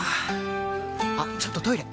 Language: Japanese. あっちょっとトイレ！